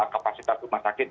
kapasitas rumah sakit